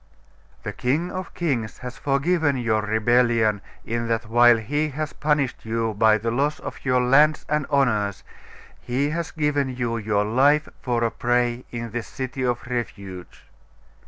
'The King of kings has forgiven your rebellion, in that while He has punished you by the loss of your lands and honours, He has given you your life for a prey in this city of refuge.